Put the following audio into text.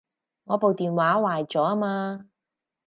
我部電話壞咗吖嘛